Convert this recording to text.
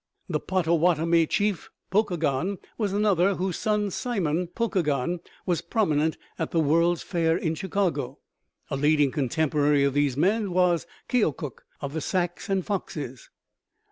The Pottawatomie chief Pokagon was another, whose son Simon Pokagon was prominent at the World's Fair in Chicago. A leading contemporary of these men was Keokuk of the Sacs and Foxes.